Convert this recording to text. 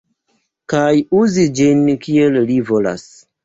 Kaj uzi ĝin kiel li volas.